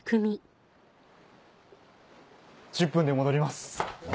１０分で戻ります。